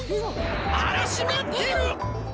あらしまってる！